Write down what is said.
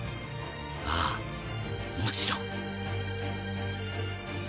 ああもちろん。